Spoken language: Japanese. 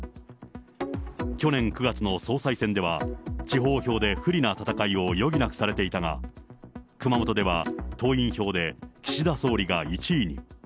去年９月の総裁選では、地方票で不利な戦いを余儀なくされていたが、熊本では、党員票で岸田総理が１位に。